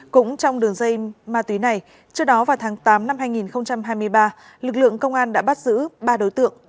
cũng trong đường dây ma túy này trước đó vào tháng tám năm hai nghìn hai mươi ba lực lượng công an đã bắt giữ ba đối tượng